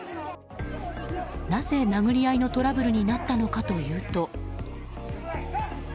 なぜ殴り合いのトラブルになったのかというと。